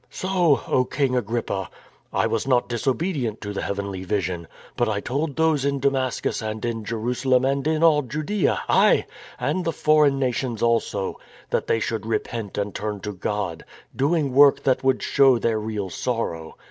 " So, O King Agrippa, I was not disobedient to the heavenly vision; but I told those in Damascus and in Jerusalem and in all Judaea, aye ! and the foreign nations also, that they should repent and turn to God, doing work that would show their real sorrow.